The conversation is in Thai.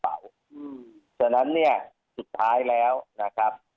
เพราะฉะนั้นเนี่ยสุดท้ายแล้วนะครับ